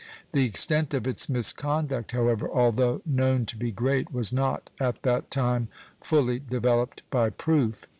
The extent of its misconduct, however, although known to be great, was not at that time fully developed by proof.